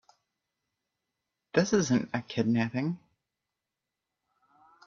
This isn't a kidnapping.